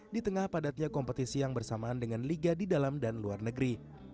di tengah padatnya kompetisi yang bersamaan dengan liga di dalam dan luar negeri